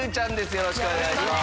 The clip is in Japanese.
よろしくお願いします。